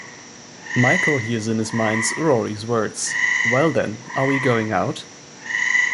Michael hears in his mind Rory's words Well, then, are we going out?